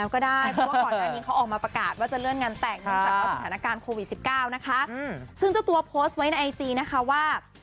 ก็สถานการณ์โควิด๑๙นะคะซึ่งจะตัวโพสต์ไว้ในไอจีนะคะว่า